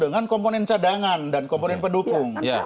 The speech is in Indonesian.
dengan komponen cadangan dan komponen pendukung